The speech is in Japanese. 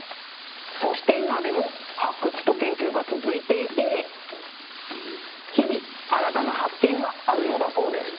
そして今でも発掘と研究が続いていて日々新たな発見があるのだそうです。